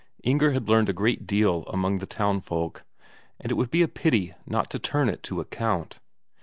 Inger had learned a deal among the town folk, and it would be a pity not to turn it to account.